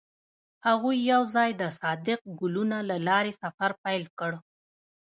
هغوی یوځای د صادق ګلونه له لارې سفر پیل کړ.